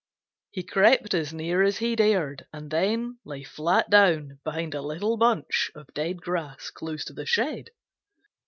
He crept as near as he dared and then lay flat down behind a little bunch of dead grass close to the shed.